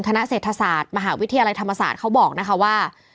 คณะเศรษฐศาสตร์มหาวิทยาลัยธรรมศาสตร์เขาบอกนะคะว่า